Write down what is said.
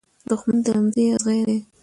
دښمن د لمڅی ازغي دی .